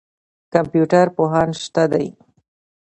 کمپیوټر پوهان شته دي.